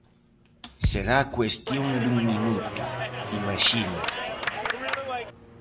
Será cuestión dun minuto, imaxino.